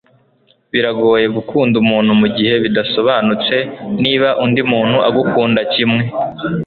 Biragoye gukunda umuntu mugihe bidasobanutse niba undi muntu agukunda kimwe